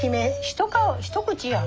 一口やん。